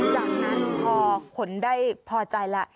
จากนั้นพอขนได้พอใจแล้ว